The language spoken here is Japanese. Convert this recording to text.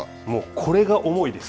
これが重いです。